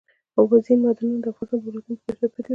اوبزین معدنونه د افغانستان د ولایاتو په کچه توپیر لري.